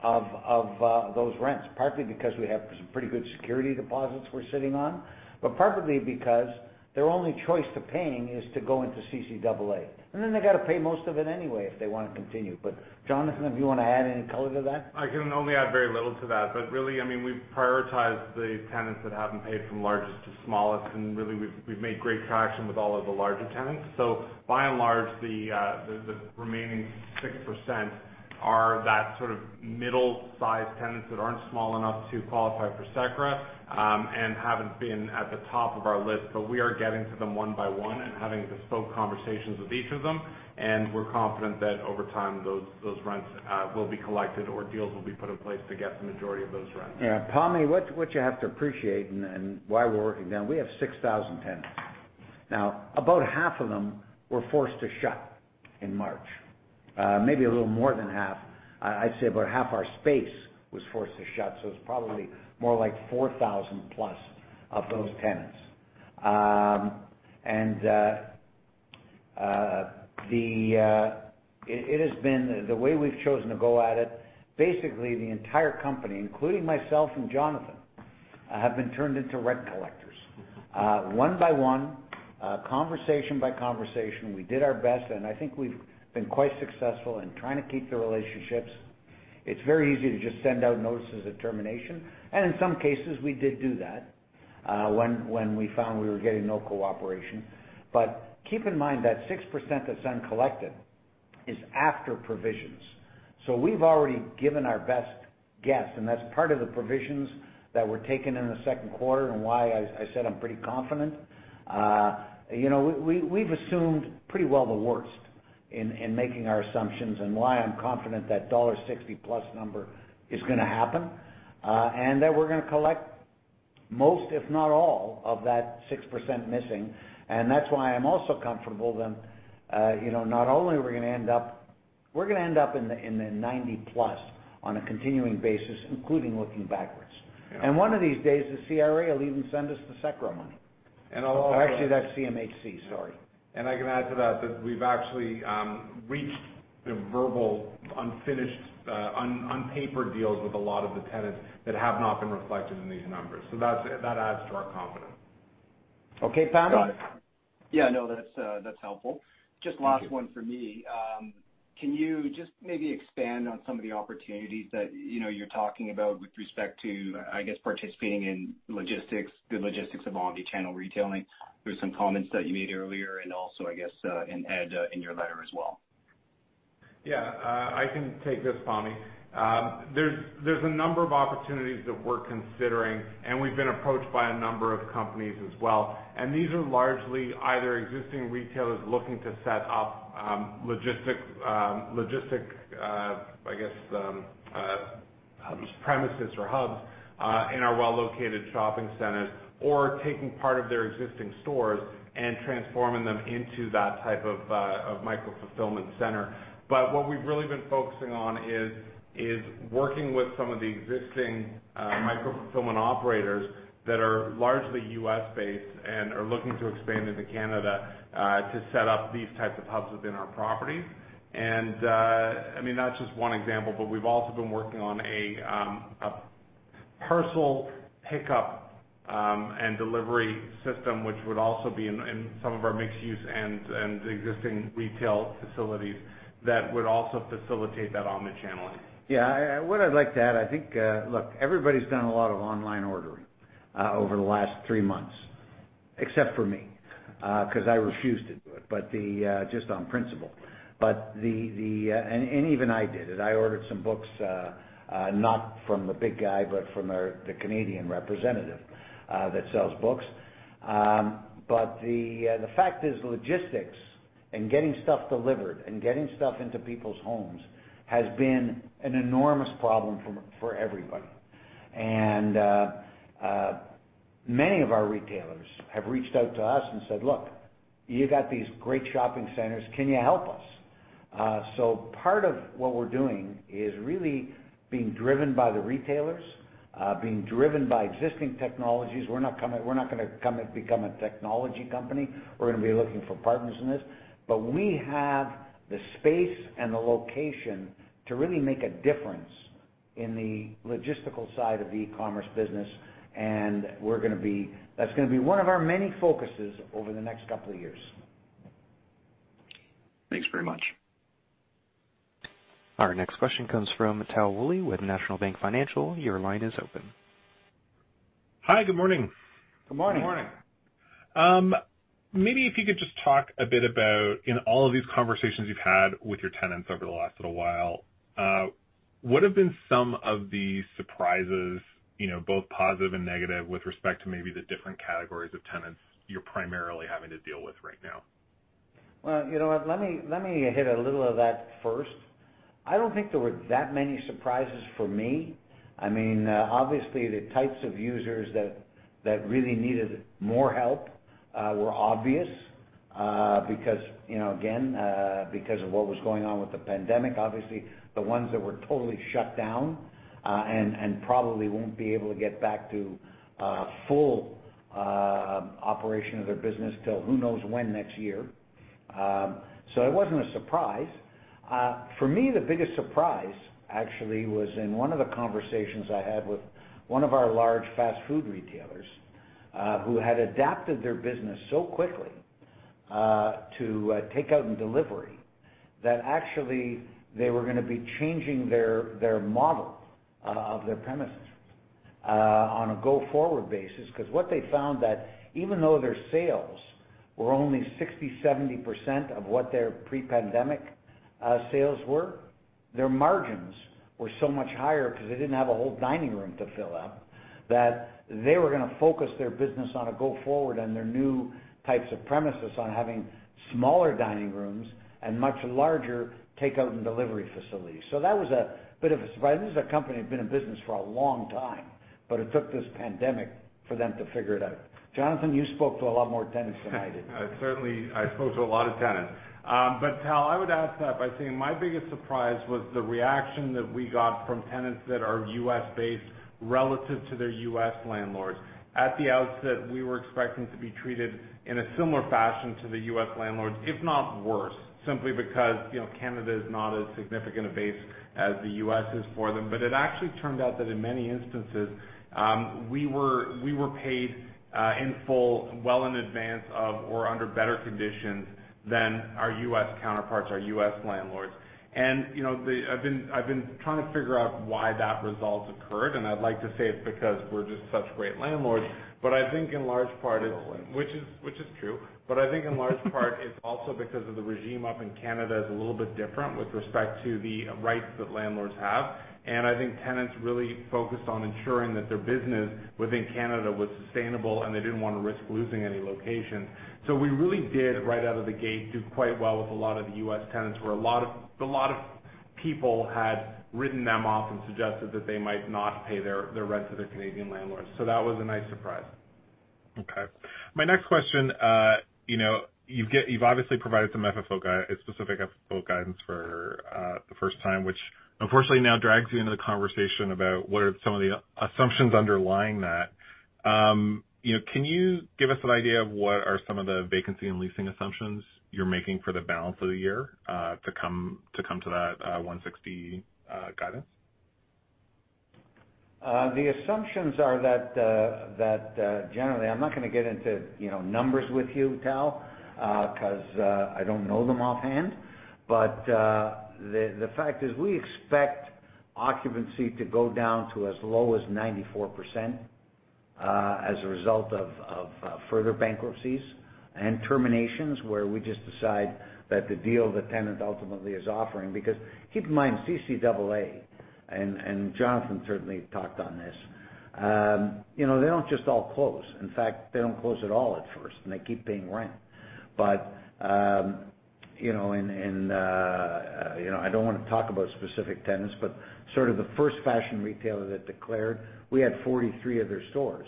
of those rents. Partly because we have some pretty good security deposits we're sitting on. Partly because their only choice to paying is to go into CCAA. They got to pay most of it anyway if they want to continue. Jonathan, if you want to add any color to that?
I can only add very little to that. Really, we've prioritized the tenants that haven't paid from largest to smallest, and really, we've made great traction with all of the larger tenants. By and large, the remaining 6% are that sort of middle-sized tenants that aren't small enough to qualify for CECRA, and haven't been at the top of our list. We are getting to them one by one and having bespoke conversations with each of them, and we're confident that over time, those rents will be collected, or deals will be put in place to get the majority of those rents.
Yeah. Pammi, what you have to appreciate and why we're working down, we have 6,000 tenants. Now, about half of them were forced to shut in March. Maybe a little more than half. I'd say about half our space was forced to shut. It's probably more like 4,000+ of those tenants. It has been the way we've chosen to go at it. Basically the entire company, including myself and Jonathan, have been turned into rent collectors. One by one, conversation by conversation. We did our best, and I think we've been quite successful in trying to keep the relationships. It's very easy to just send out notices of termination, and in some cases, we did do that when we found we were getting no cooperation. Keep in mind that 6% that's uncollected is after provisions. We've already given our best guess, and that's part of the provisions that were taken in the second quarter and why I said I'm pretty confident. We've assumed pretty well the worst in making our assumptions and why I'm confident that dollar 1.60+ number is going to happen. That we're going to collect most, if not all, of that 6% missing. That's why I'm also comfortable then, We're going to end up in the 90%+ on a continuing basis, including looking backwards. One of these days, the CRA will even send us the CECRA money.
And I'll-
Actually, that's CMHC, sorry.
I can add to that we've actually reached the verbal on paper deals with a lot of the tenants that have not been reflected in these numbers. That adds to our confidence.
Okay, Pammi?
Got it. Yeah, no, that's helpful. Just last one from me. Can you just maybe expand on some of the opportunities that you're talking about with respect to, I guess, participating in the logistics of omnichannel retailing? There were some comments that you made earlier, and also, I guess, and Ed, in your letter as well.
Yeah. I can take this, Pammi. There's a number of opportunities that we're considering, and we've been approached by a number of companies as well. These are largely either existing retailers looking to set up logistic.
Hubs
premises or hubs in our well-located shopping centers, or taking part of their existing stores and transforming them into that type of micro-fulfillment center. What we've really been focusing on is working with some of the existing micro-fulfillment operators that are largely U.S.-based and are looking to expand into Canada, to set up these types of hubs within our properties. That's just one example, but we've also been working on a parcel pickup and delivery system, which would also be in some of our mixed-use and existing retail facilities that would also facilitate that omnichanneling.
What I'd like to add, I think, look, everybody's done a lot of online ordering over the last three months. Except for me, because I refuse to do it, just on principle. Even I did it. I ordered some books, not from the big guy, but from the Canadian representative that sells books. The fact is, logistics and getting stuff delivered, and getting stuff into people's homes has been an enormous problem for everybody. Many of our retailers have reached out to us and said, "Look, you got these great shopping centers. Can you help us?" Part of what we're doing is really being driven by the retailers, being driven by existing technologies. We're not going to become a technology company. We're going to be looking for partners in this. We have the space and the location to really make a difference in the logistical side of the e-commerce business, and that's going to be one of our many focuses over the next couple of years.
Thanks very much.
Our next question comes from Tal Woolley with National Bank Financial. Your line is open.
Hi, good morning.
Good morning.
Good morning.
Maybe if you could just talk a bit about, in all of these conversations you've had with your tenants over the last little while, what have been some of the surprises, both positive and negative, with respect to maybe the different categories of tenants you're primarily having to deal with right now?
Well, you know what? Let me hit a little of that first. I don't think there were that many surprises for me. Obviously, the types of users that really needed more help were obvious. Again because of what was going on with the pandemic, obviously the ones that were totally shut down, and probably won't be able to get back to full operation of their business till who knows when next year. It wasn't a surprise. For me, the biggest surprise actually was in one of the conversations I had with one of our large fast food retailers, who had adapted their business so quickly to takeout and delivery, that actually they were going to be changing their model of their premises on a go-forward basis. Because what they found that even though their sales were only 60%, 70% of what their pre-pandemic sales were, their margins were so much higher because they didn't have a whole dining room to fill up, that they were going to focus their business on a go forward on their new types of premises on having smaller dining rooms and much larger takeout and delivery facilities. That was a bit of a surprise. This is a company that had been in business for a long time, but it took this pandemic for them to figure it out. Jonathan, you spoke to a lot more tenants than I did.
I certainly, I spoke to a lot of tenants. Tal, I would add to that by saying my biggest surprise was the reaction that we got from tenants that are U.S.-based relative to their U.S. landlords. At the outset, we were expecting to be treated in a similar fashion to the U.S. landlords, if not worse, simply because Canada is not as significant a base as the U.S. is for them. It actually turned out that in many instances, we were paid in full, well in advance of, or under better conditions than our U.S. counterparts, our U.S. landlords. I've been trying to figure out why that result occurred, and I'd like to say it's because we're just such great landlords. I think in large part it.
You're welcome.
Which is true. I think in large part, it's also because of the regime up in Canada is a little bit different with respect to the rights that landlords have. I think tenants really focused on ensuring that their business within Canada was sustainable, and they didn't want to risk losing any location. We really did, right out of the gate, do quite well with a lot of the US tenants, where a lot of people had written them off and suggested that they might not pay their rent to their Canadian landlords. That was a nice surprise.
Okay. My next question. You've obviously provided some specific FFO guidance for the first time, which unfortunately now drags you into the conversation about what are some of the assumptions underlying that. Can you give us an idea of what are some of the vacancy and leasing assumptions you're making for the balance of the year to come to that 1.60 guidance?
The assumptions are that generally, I'm not going to get into numbers with you, Tal, because I don't know them offhand. The fact is we expect occupancy to go down to as low as 94% as a result of further bankruptcies and terminations where we just decide that the deal the tenant ultimately is offering. Keep in mind, CCAA, and Jonathan certainly talked on this. They don't just all close. In fact, they don't close at all at first, and they keep paying rent. I don't want to talk about specific tenants, but sort of the first fashion retailer that declared, we had 43 of their stores.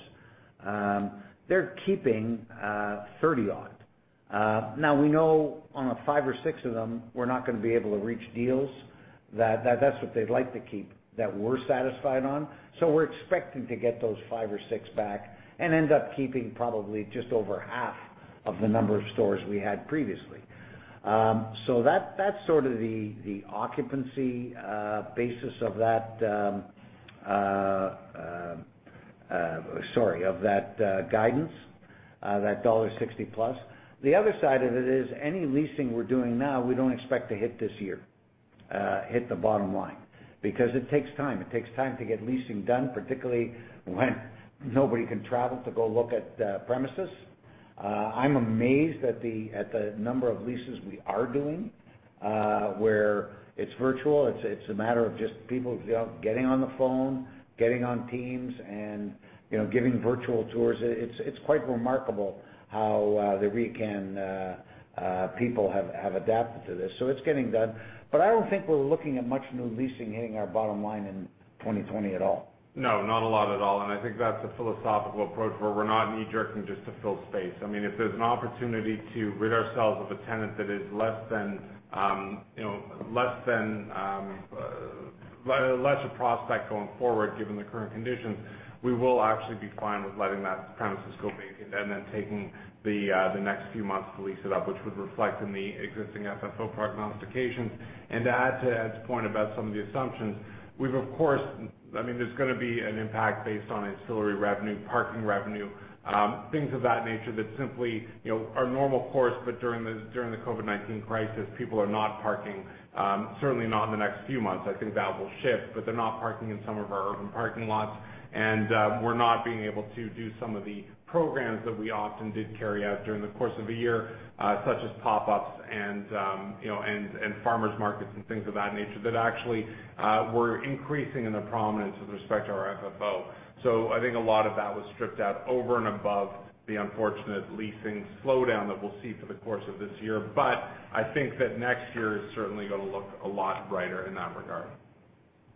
They're keeping 30 odd. We know on a five or six of them, we're not going to be able to reach deals that that's what they'd like to keep, that we're satisfied on. We're expecting to get those five or six back and end up keeping probably just over half of the number of stores we had previously. That's sort of the occupancy basis of that, sorry, of that guidance, that CAD 1.60+. The other side of it is any leasing we're doing now, we don't expect to hit this year, hit the bottom line because it takes time. It takes time to get leasing done, particularly when nobody can travel to go look at premises. I'm amazed at the number of leases we are doing, where it's virtual. It's a matter of just people getting on the phone, getting on Teams, and giving virtual tours. It's quite remarkable how the RioCan people have adapted to this. It's getting done, but I don't think we're looking at much new leasing hitting our bottom line in 2020 at all.
No, not a lot at all. I think that's a philosophical approach where we're not knee-jerking just to fill space. If there's an opportunity to rid ourselves of a tenant that is less a prospect going forward given the current conditions, we will actually be fine with letting that premises go vacant and then taking the next few months to lease it up, which would reflect in the existing FFO prognostications. To add to Ed's point about some of the assumptions, there's going to be an impact based on ancillary revenue, parking revenue, things of that nature that simply are normal course, but during the COVID-19 crisis, people are not parking. Certainly not in the next few months. I think that will shift, but they're not parking in some of our parking lots, and we're not being able to do some of the programs that we often did carry out during the course of a year, such as pop-ups and farmer's markets and things of that nature that actually were increasing in their prominence with respect to our FFO. I think a lot of that was stripped out over and above the unfortunate leasing slowdown that we'll see for the course of this year. I think that next year is certainly going to look a lot brighter in that regard.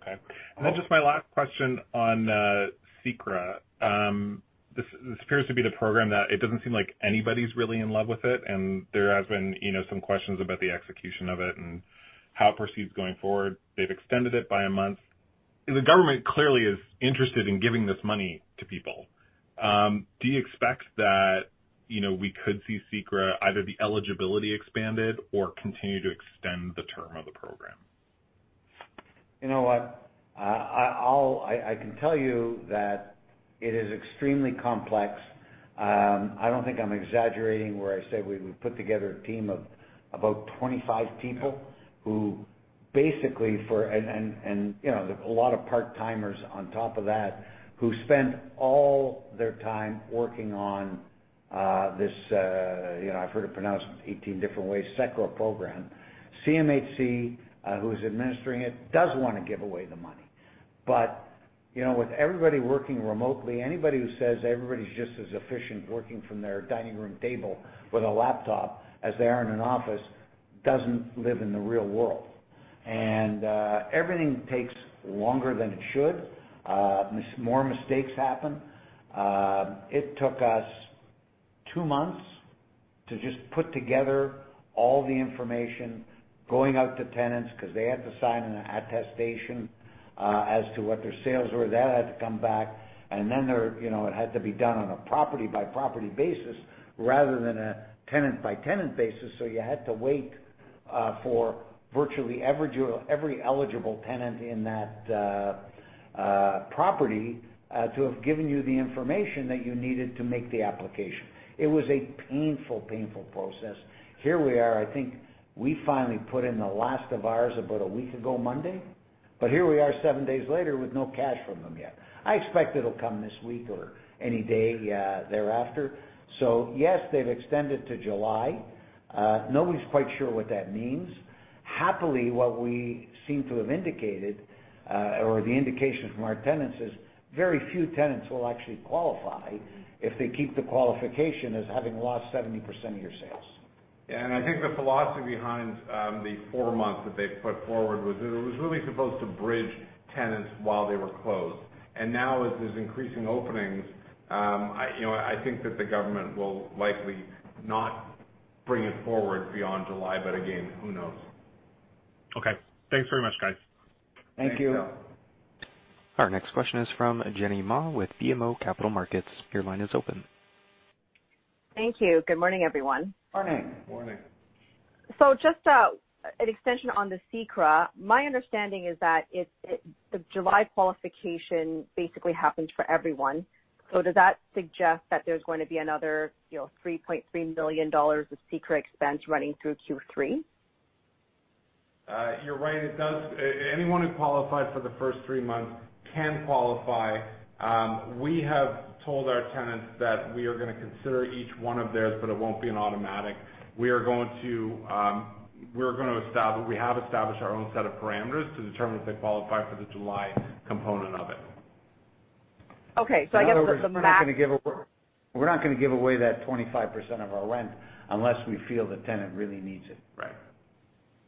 Okay. Then just my last question on CECRA. This appears to be the program that it doesn't seem like anybody's really in love with it, and there has been some questions about the execution of it and how it proceeds going forward. They've extended it by a month. The government clearly is interested in giving this money to people. Do you expect that we could see CECRA, either the eligibility expanded or continue to extend the term of the program?
You know what? I can tell you that it is extremely complex. I don't think I'm exaggerating where I say we put together a team of about 25 people who basically and a lot of part-timers on top of that, who spent all their time working on this, I've heard it pronounced 18 different ways, CECRA program. CMHC, who is administering it, does want to give away the money. With everybody working remotely, anybody who says everybody's just as efficient working from their dining room table with a laptop as they are in an office doesn't live in the real world. Everything takes longer than it should. More mistakes happen. It took us two months to just put together all the information going out to tenants because they had to sign an attestation as to what their sales were. That had to come back, and then it had to be done on a property-by-property basis rather than a tenant-by-tenant basis, so you had to wait for virtually every eligible tenant in that property to have given you the information that you needed to make the application. It was a painful process. Here we are, I think we finally put in the last of ours about a week ago Monday. Here we are seven days later with no cash from them yet. I expect it'll come this week or any day thereafter. Yes, they've extended to July. Nobody's quite sure what that means. Happily, what we seem to have indicated, or the indication from our tenants is very few tenants will actually qualify if they keep the qualification as having lost 70% of your sales.
Yeah, I think the philosophy behind the four months that they put forward was that it was really supposed to bridge tenants while they were closed. Now as there's increasing openings, I think that the government will likely not bring it forward beyond July. Again, who knows?
Okay. Thanks very much, guys.
Thank you.
Thanks you.
Our next question is from Jenny Ma with BMO Capital Markets. Your line is open.
Thank you. Good morning, everyone.
Morning.
Morning.
Just an extension on the CECRA. My understanding is that the July qualification basically happens for everyone. Does that suggest that there's going to be another 3.3 million dollars of CECRA expense running through Q3?
You're right, it does. Anyone who qualified for the first three months can qualify. We have told our tenants that we are going to consider each one of theirs, but it won't be an automatic. We have established our own set of parameters to determine if they qualify for the July component of it.
Okay.
In other words, we're not going to give away that 25% of our rent unless we feel the tenant really needs it.
Right.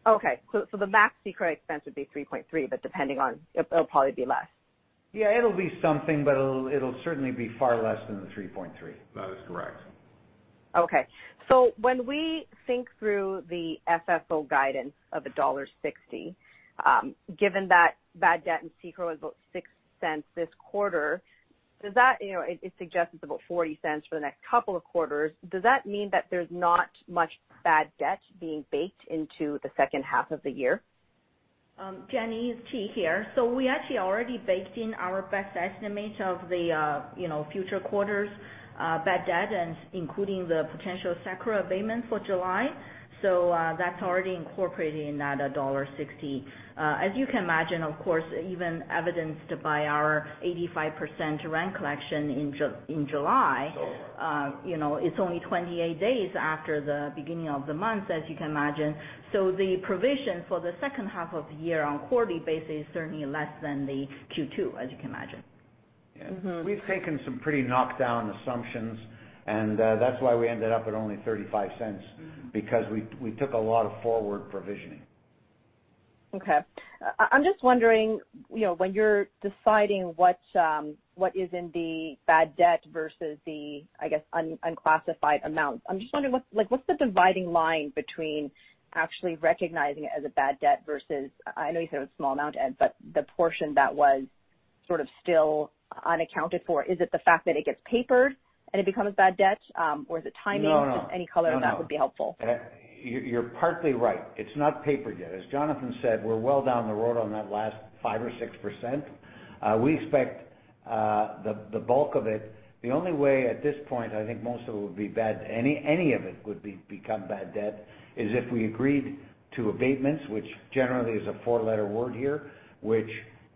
Okay. The max CECRA expense would be 3.3 million, depending on, it'll probably be less.
Yeah, it'll be something, but it'll certainly be far less than the 3.3 million.
That is correct.
Okay. When we think through the FFO guidance of dollar 1.60, given that bad debt and CECRA was about 0.06 this quarter, it suggests it's about 0.40 for the next couple of quarters. Does that mean that there's not much bad debt being baked into the second half of the year?
Jenny, it's Qi here. We actually already baked in our best estimate of the future quarters' bad debt, and including the potential CECRA abatement for July. That's already incorporated in that CAD 1.60. As you can imagine, of course, even evidenced by our 85% rent collection in July. It's only 28 days after the beginning of the month, as you can imagine. The provision for the second half of the year on a quarterly basis is certainly less than the Q2, as you can imagine.
We've taken some pretty knocked down assumptions, and that's why we ended up at only 0.35, because we took a lot of forward provisioning.
Okay. I'm just wondering, when you're deciding what is in the bad debt versus the, I guess, unclassified amount. I'm just wondering, what's the dividing line between actually recognizing it as a bad debt versus, I know you said it was a small amount, Ed, but the portion that was sort of still unaccounted for, is it the fact that it gets papered and it becomes bad debt? Or is it timing?
No.
Just any color on that would be helpful.
You're partly right. It's not papered yet. As Jonathan said, we're well down the road on that last 5% or 6%. We expect the bulk of it. The only way at this point, I think most of it would be bad, any of it would become bad debt, is if we agreed to abatements, which generally is a four-letter word here.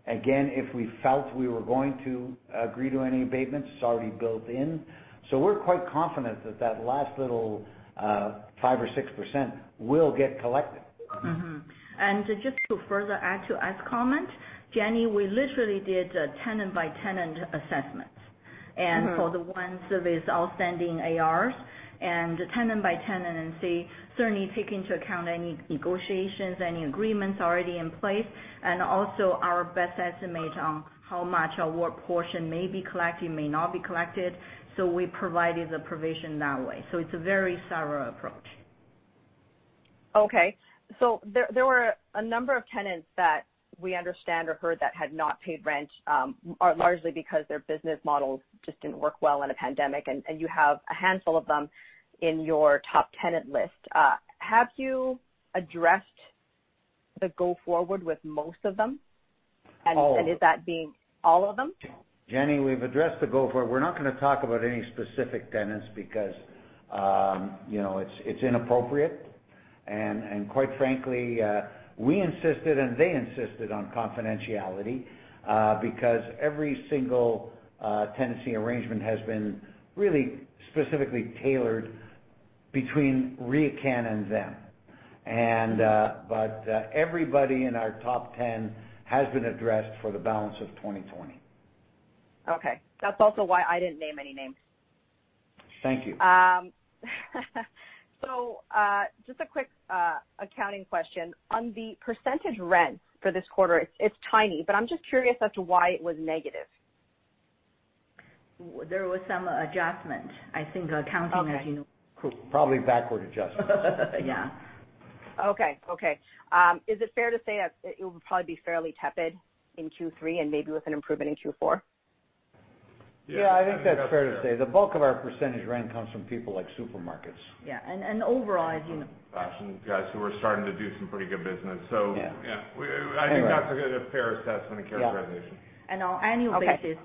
Again, if we felt we were going to agree to any abatements, it's already built in. We're quite confident that that last little 5% or 6% will get collected.
Just to further add to Ed's comment, Jenny, we literally did a tenant-by-tenant assessment. For the ones with outstanding ARs, tenant by tenant, say certainly take into account any negotiations, any agreements already in place, also our best estimate on how much or what portion may be collected, may not be collected. We provided the provision that way. It's a very thorough approach.
Okay. There were a number of tenants that we understand or heard that had not paid rent, largely because their business models just didn't work well in a pandemic, and you have a handful of them in your top tenant list. Have you addressed the go forward with most of them?
All of them.
Is that being all of them?
Jenny, we've addressed the go forward. We're not going to talk about any specific tenants because it's inappropriate. Quite frankly, we insisted, and they insisted on confidentiality, because every single tenancy arrangement has been really specifically tailored between RioCan and them. Everybody in our top 10 has been addressed for the balance of 2020.
Okay. That's also why I didn't name any names.
Thank you.
Just a quick accounting question. On the percentage rent for this quarter, it's tiny, but I'm just curious as to why it was negative.
There was some adjustment, I think accounting, as you know.
Okay, cool.
Probably backward adjustment.
Yeah.
Okay. Is it fair to say that it will probably be fairly tepid in Q3 and maybe with an improvement in Q4?
Yeah. I think that's fair to say. The bulk of our percentage rent comes from people like supermarkets.
Yeah. Overall, as you know.
Fashion guys who are starting to do some pretty good business. Yeah. I think that's a fair assessment and characterization.
On annual basis.
Okay.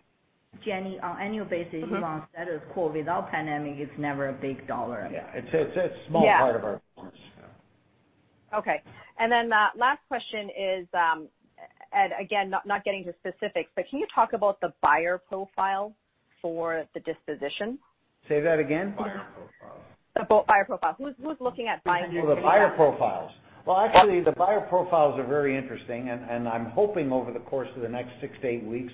Jenny, on annual basis, if you want to status quo without pandemic, it's never a big dollar amount.
Yeah. It's a small part of our performance.
Yeah. Okay. Then last question is, Ed, again, not getting into specifics, but can you talk about the buyer profile for the disposition?
Say that again.
Buyer profile.
The buyer profile.
The buyer profiles. Well, actually, the buyer profiles are very interesting, and I'm hoping over the course of the next six to eight weeks,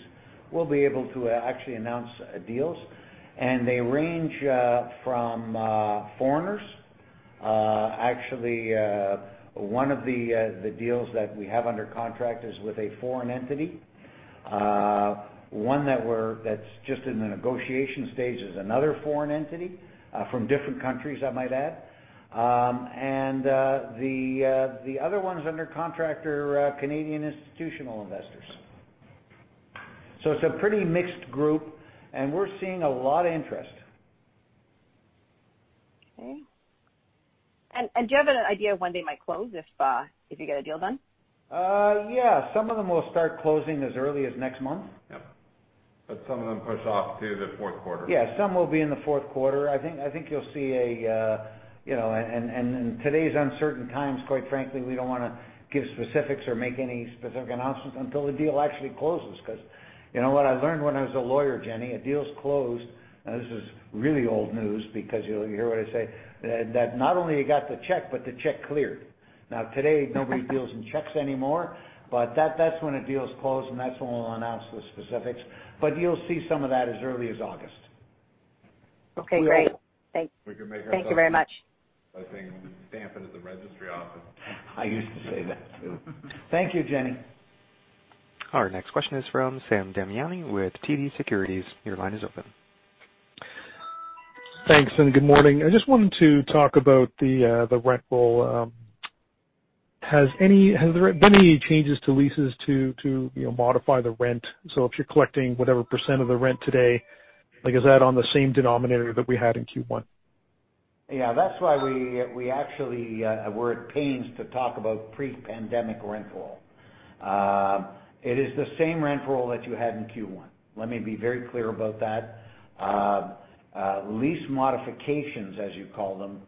we'll be able to actually announce deals. They range from foreigners. Actually, one of the deals that we have under contract is with a foreign entity. One that's just in the negotiation stage is another foreign entity, from different countries, I might add. The other ones under contract are Canadian institutional investors. It's a pretty mixed group, and we're seeing a lot of interest.
Okay. Do you have an idea of when they might close, if you get a deal done?
Yeah. Some of them will start closing as early as next month.
Yep. Some of them push off to the fourth quarter.
Yeah, some will be in the fourth quarter. In today's uncertain times, quite frankly, we don't want to give specifics or make any specific announcements until the deal actually closes. Because, what I learned when I was a lawyer, Jenny, a deal's closed, and this is really old news because you'll hear what I say, that not only you got the check, but the check cleared. Now, today, nobody deals in checks anymore, but that's when a deal is closed, and that's when we'll announce the specifics. But you'll see some of that as early as August.
Okay, great.
We can make our-
Thank you very much.
by stamp it at the registry office.
I used to say that, too. Thank you, Jenny.
Our next question is from Sam Damiani with TD Securities. Your line is open.
Thanks, and good morning. I just wanted to talk about the rent roll. Have there been any changes to leases to modify the rent? If you're collecting whatever percent of the rent today, is that on the same denominator that we had in Q1?
Yeah, that's why we actually were at pains to talk about pre-pandemic rent roll. It is the same rent roll that you had in Q1. Let me be very clear about that. Lease modifications, as you call them,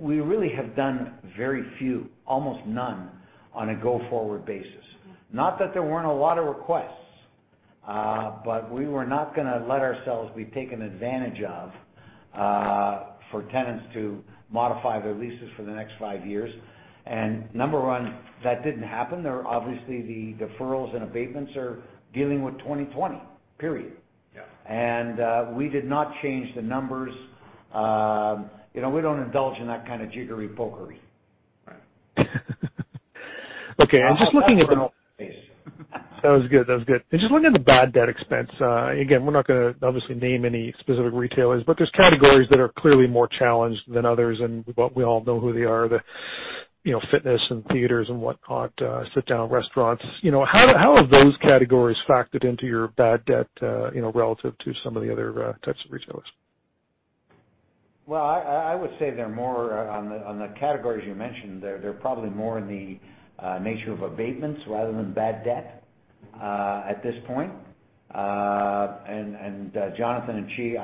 we really have done very few, almost none on a go-forward basis. Not that there weren't a lot of requests. We were not going to let ourselves be taken advantage of for tenants to modify their leases for the next five years. Number one, that didn't happen. Obviously, the deferrals and abatements are dealing with 2020. Period. We did not change the numbers. We don't indulge in that kind of jiggery-pokery.
Okay. Just looking at the-
That's where I'm from.
That was good. Just looking at the bad debt expense, again, we're not going to obviously name any specific retailers. There's categories that are clearly more challenged than others. We all know who they are, the fitness and theaters and whatnot, sit down restaurants. How have those categories factored into your bad debt relative to some of the other types of retailers?
Well, I would say on the categories you mentioned, they're probably more in the nature of abatements rather than bad debt at this point. Jonathan and Qi,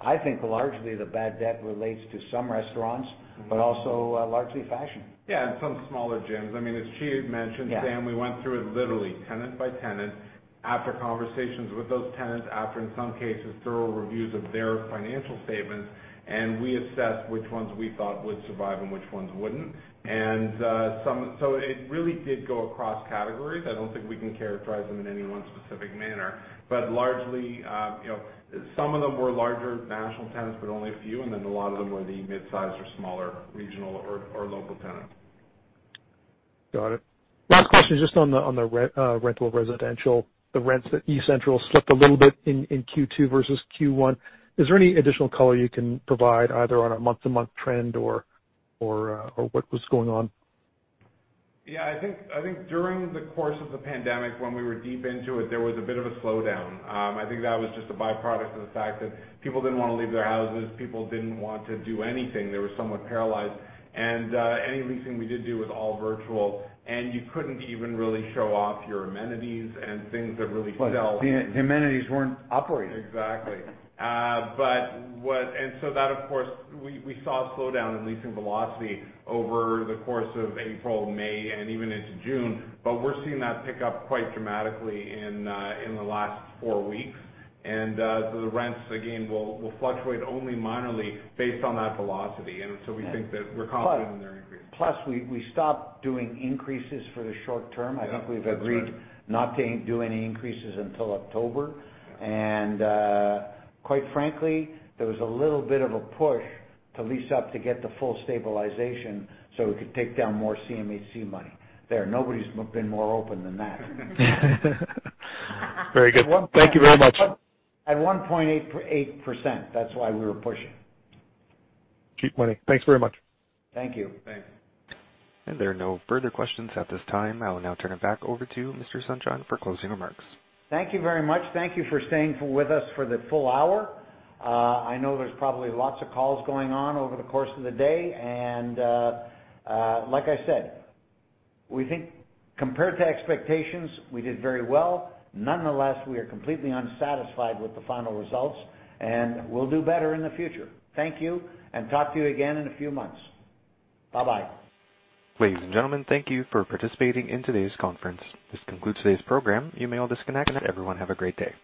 I think largely the bad debt relates to some restaurants, but also largely fashion.
Yeah, some smaller gyms. As Qi had mentioned. Sam, we went through it literally tenant by tenant, after conversations with those tenants, after, in some cases, thorough reviews of their financial statements, and we assessed which ones we thought would survive and which ones wouldn't. It really did go across categories. I don't think we can characterize them in any one specific manner. Largely, some of them were larger national tenants, but only a few, and then a lot of them were the midsize or smaller regional or local tenants.
Got it. Last question, just on the rental residential, the rents at eCentral slipped a little bit in Q2 versus Q1. Is there any additional color you can provide either on a month-to-month trend or what was going on?
Yeah. I think during the course of the pandemic, when we were deep into it, there was a bit of a slowdown. I think that was just a byproduct of the fact that people didn't want to leave their houses. People didn't want to do anything. They were somewhat paralyzed. Any leasing we did do was all virtual, and you couldn't even really show off your amenities and things that really sell.
The amenities weren't operating.
Exactly. That, of course, we saw a slowdown in leasing velocity over the course of April, May, and even into June. We're seeing that pick up quite dramatically in the last four weeks. The rents, again, will fluctuate only minorly based on that velocity. We think that we're confident in their increase.
We stopped doing increases for the short term. I think we've agreed not to do any increases until October. Quite frankly, there was a little bit of a push to lease up to get the full stabilization so we could take down more CMHC money. There, nobody's been more open than that.
Very good. Thank you very much.
At 1.8%, that's why we were pushing.
Cheap money. Thanks very much.
Thank you.
Thanks.
There are no further questions at this time. I will now turn it back over to Mr. Sonshine for closing remarks.
Thank you very much. Thank you for staying with us for the full hour. I know there's probably lots of calls going on over the course of the day. Like I said, we think compared to expectations, we did very well. Nonetheless, we are completely unsatisfied with the final results, and we'll do better in the future. Thank you, and talk to you again in a few months. Bye-bye.
Ladies and gentlemen, thank you for participating in today's conference. This concludes today's program. You may all disconnect. Everyone have a great day.